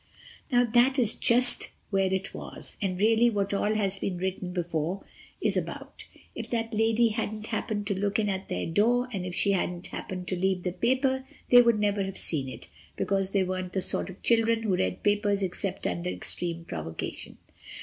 Now, that is just where it was, and really what all that has been written before is about. If that lady hadn't happened to look in at their door, and if she hadn't happened to leave the paper they would never have seen it, because they weren't the sort of children who read papers except under extreme provocation.